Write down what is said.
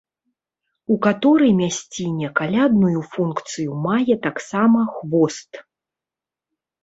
У каторай мясціне калядную функцыю мае таксама хвост.